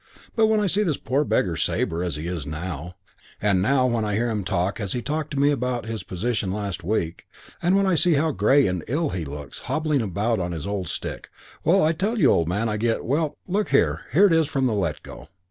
But when I see this poor beggar Sabre as he is now, and when I hear him talk as he talked to me about his position last week, and when I see how grey and ill he looks, hobbling about on his old stick, well, I tell you, old man, I get well, look here, here it is from the Let Go.